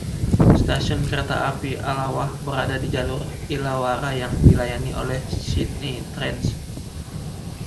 Stasiun kereta api Allawah berada di jalur Illawarra yang dilayani oleh Sydney Trains.